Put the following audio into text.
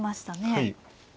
はい。